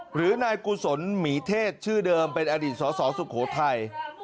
หรือนายกุศลหมีเทศชื่อเดิมเป็นอดีตสสสุโขทัย